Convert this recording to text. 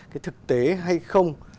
cái thực tế hay không